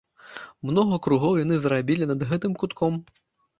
Многа кругоў яны зрабілі над гэтым кутком.